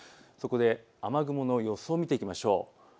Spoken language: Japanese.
そこで雨雲の予想を見ていきましょう。